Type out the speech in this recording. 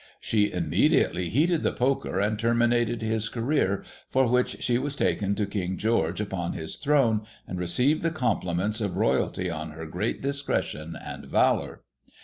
She immediately heated the poker and terminated his career, for which she was taken to King George upon his throne, and received the compliments of royalty on her great discretion and valour.